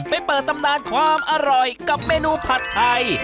ไปเปิดตำนานความอร่อยกับเมนูผัดไทย